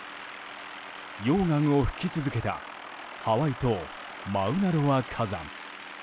溶岩を噴き続けたハワイ島マウナロア火山。